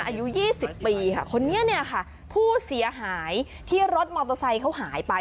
อายุ๒๐ปีค่ะคนนี้เนี่ยค่ะผู้เสียหายที่รถมอเตอร์ไซค์เขาหายไป